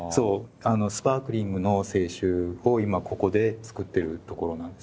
スパークリングの清酒を今ここで造ってるところなんです。